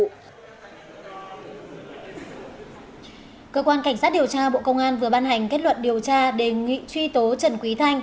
cơ quan cảnh sát điều tra bộ công an vừa ban hành kết luận điều tra đề nghị truy tố trần quý thanh